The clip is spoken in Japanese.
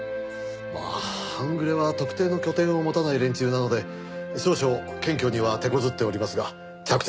まあ半グレは特定の拠点を持たない連中なので少々検挙には手こずっておりますが着々と。